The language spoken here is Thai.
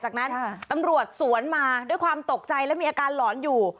จากนั้นตำรวจสวนมาด้วยความตกใจและมีอาการหลอนอยู่